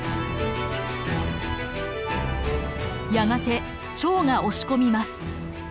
やがて趙が押し込みます。